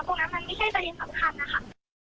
ตรงนั้นมันไม่ใช่ประเด็นสำคัญนะคะ